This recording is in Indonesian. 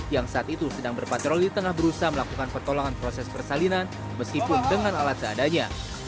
yang saat itu sedang berpatroli tengah berusaha melakukan pertolongan proses persalinan meskipun dengan alat seadanya